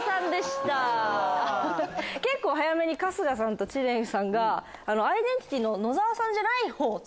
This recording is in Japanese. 結構早めに春日さんと知念さんがアイデンティティの野沢さんじゃないほうって。